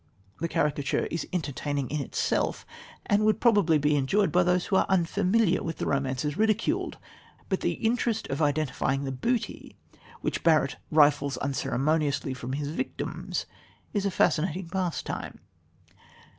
The caricature is entertaining in itself, and would probably be enjoyed by those who are unfamiliar with the romances ridiculed; but the interest of identifying the booty, which Barrett rifles unceremoniously from his victims, is a fascinating pastime.